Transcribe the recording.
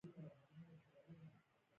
خپله مسوليت واخلئ چې په ځان باور زیات کړئ.